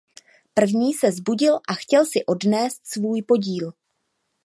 První se vzbudil a chtěl si odnést svůj podíl.